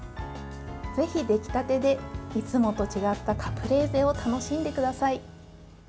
ぜひ出来たてでいつもと違ったカプレーゼを楽しんでください。